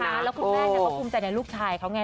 ใช่นะคะแล้วคุณแม่ก็ภูมิใจในลูกชายอีกแล้วไง